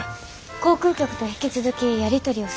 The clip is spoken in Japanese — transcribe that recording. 航空局と引き続きやり取りを進めてます。